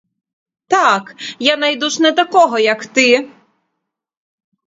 Так я найду ж не такого, як ти.